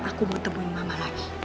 aku mau tebun mama lagi